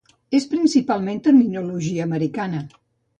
És principalment terminologia americana.